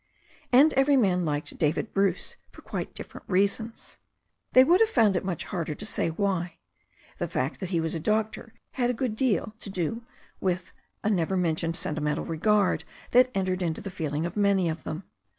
And every man liked David Bruce for quite different rea sons. They would have found it much harder to say why. The fact that he was a doctor had a good deal to do with a never mentioned sentimental regard that entered into the feeling of many of them.